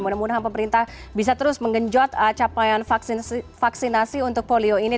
mudah mudahan pemerintah bisa terus menggenjot capaian vaksinasi untuk polio ini